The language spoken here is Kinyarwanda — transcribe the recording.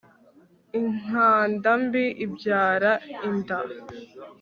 inkanda mbi ibyara inda